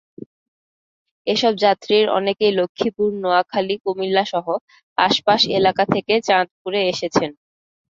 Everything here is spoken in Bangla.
এসব যাত্রীর অনেকেই লক্ষ্মীপুর, নোয়াখালী, কুমিল্লাসহ আশপাশ এলাকা থেকে চাঁদপুরে এসেছেন।